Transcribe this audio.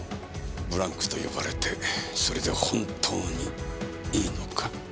ブランクと呼ばれてそれで本当にいいのか？